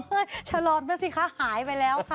ชะลอมซะสิคะหายไปแล้วค่ะ